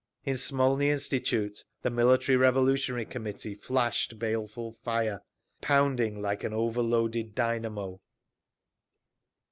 In Smolny Institute the Military Revolutionary Committee flashed baleful fire, pounding like an over loaded dynamo….